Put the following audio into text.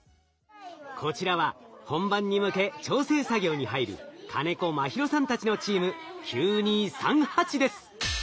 こちらは本番に向け調整作業に入る金子茉尋さんたちのチーム「９２３８」です。